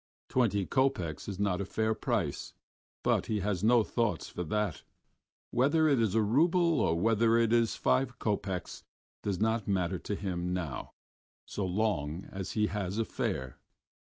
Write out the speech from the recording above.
Twenty kopecks is not a fair price, but he has no thoughts for that. Whether it is a rouble or whether it is five kopecks does not matter to him now so long as he has a fare....